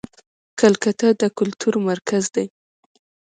کلکته د کلتور مرکز دی.